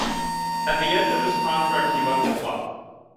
At the end of his contract he left the club.